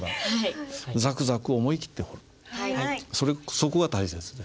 そこが大切ですね。